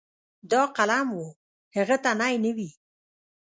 دا قلم و هغه ته نی نه وي.